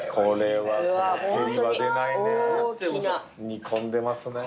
煮込んでますね。